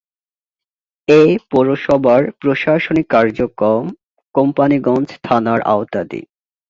এ পৌরসভার প্রশাসনিক কার্যক্রম কোম্পানীগঞ্জ থানার আওতাধীন।